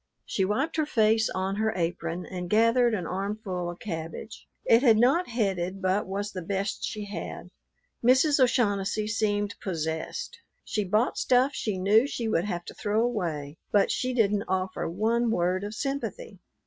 She wiped her face on her apron, and gathered an armful of cabbage; it had not headed but was the best she had. Mrs. O'Shaughnessy seemed possessed; she bought stuff she knew she would have to throw away, but she didn't offer one word of sympathy.